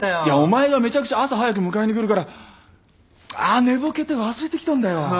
いやお前がめちゃくちゃ朝早く迎えに来るから寝ぼけて忘れてきたんだよ。